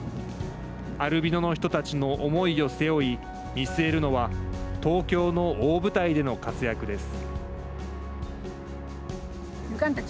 アルビノの人たちの思いを背負い見据えるのは東京の大舞台での活躍です。